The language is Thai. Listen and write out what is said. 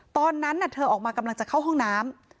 ตอนนั้นเธอออกมากำลังจะเข้าห้องน้ำ